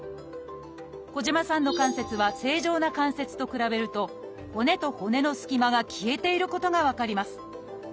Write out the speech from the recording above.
児島さんの関節は正常な関節と比べると骨と骨の隙間が消えていることが分かります。